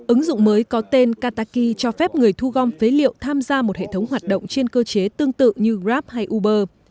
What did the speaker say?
ứng dụng mới có tên kataki cho phép người thu gom phế liệu tham gia một hệ thống hoạt động trên cơ chế tương tự như grab hay uber